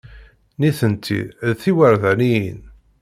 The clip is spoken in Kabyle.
Nitenti d tiwerdaniyin.